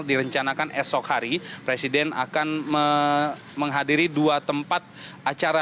direncanakan esok hari presiden akan menghadiri dua tempat acara